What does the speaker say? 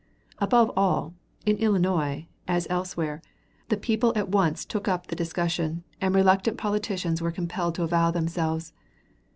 Above all, in Illinois, as elsewhere, the people at once took up the discussion, and reluctant politicians were compelled to avow themselves.